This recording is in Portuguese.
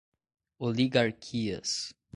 Oligarquias